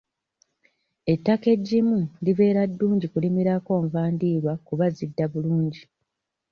Ettaka eggimu libeera ddungi okulimirako enva endiirwa kuba zidda bulungi.